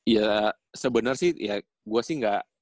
ya sebenernya sih ya gue sih nggak